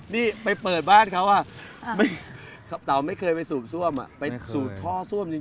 นี่ไปเปิดบ้านเค้าอ่ะเต๋าไม่เคยไปสูบซ่วมไม่เคยอ่ะไปสูบท่อซ่วมจริงอ่ะ